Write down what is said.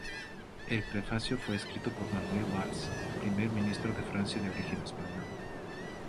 El prefacio fue escrito por Manuel Valls, Primer Ministro de Francia de origen español.